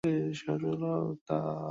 আমায় আগে দেখিয়ে তবে উদ্বোধনে ছাপতে দিবি।